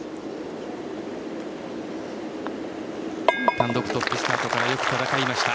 単独トップスタートからよく戦いました。